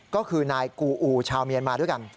ก็คือนายกูอูชาวเมียนมาด้วยกัน